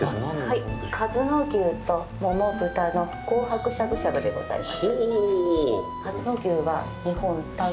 はい、かづの牛と桃豚の紅白しゃぶしゃぶでございます。